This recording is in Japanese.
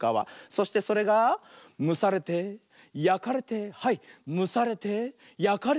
そしてそれがむされてやかれてはいむされてやかれるよ。